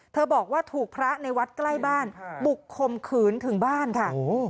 บอกว่าถูกพระในวัดใกล้บ้านบุกคมขืนถึงบ้านค่ะ